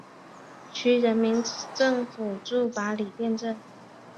区人民政府驻八里店镇。